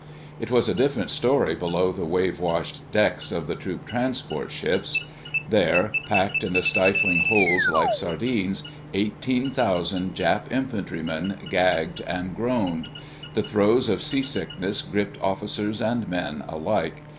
It was a different story below the wave washed decks of the troop transport ships. There, packed in the stifling holds like sardines, eighteen thousand Jap infantrymen gagged and groaned. The throes of seasickness gripped officers and men alike.